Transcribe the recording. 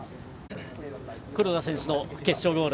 黒田選手の決勝ゴール